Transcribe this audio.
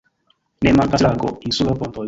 Ne mankas lago, insulo, pontoj.